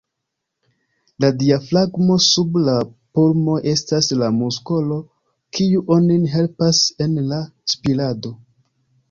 La diafragmo sub la pulmoj estas la muskolo, kiu onin helpas en la spirado.